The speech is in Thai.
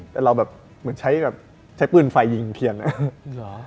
แต่เหมือนใช้ปือนไฟยิงเทียนนะ